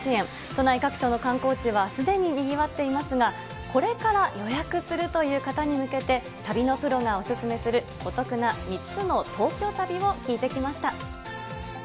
都内各所の観光地はすでににぎわっていますが、これから予約するという方に向けて、旅のプロがお勧めするお得な３つの東京旅を聞いてきました。